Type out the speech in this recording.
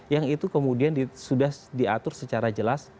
yang itu kemudian sudah diatur secara jelas